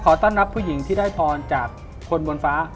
ต้อนรับผู้หญิงที่ได้พรจากคนบนฟ้า